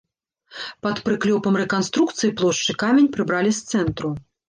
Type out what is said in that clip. Пад прыклёпам рэканструкцыі плошчы камень прыбралі з цэнтру.